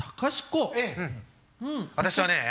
私はね